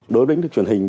đối với truyền hình